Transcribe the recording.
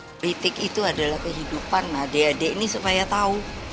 kritik itu adalah kehidupan adik adik ini supaya tahu